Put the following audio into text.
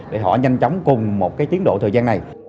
để giảm lượng chôm lấp